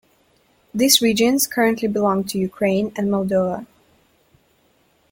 These regions currently belong to Ukraine and Moldova.